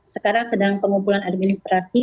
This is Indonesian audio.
sekarang sedang pengumpulan administrasi